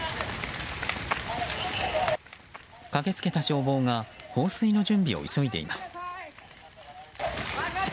駆け付けた消防が放水の準備を急いでいます。